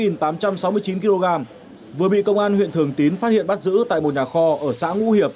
nó là sáu tám trăm sáu mươi chín kg vừa bị công an huyện thường tín phát hiện bắt giữ tại một nhà kho ở xã ngu hiệp